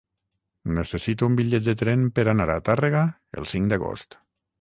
Necessito un bitllet de tren per anar a Tàrrega el cinc d'agost.